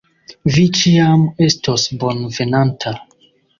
Vi ĉiam estos bonvenanta.